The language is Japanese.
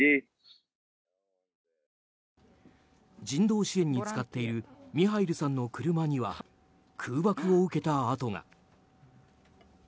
人道支援に使っているミハイルさんの車には空爆を受けた跡が。